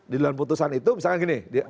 di dalam putusan itu misalkan gini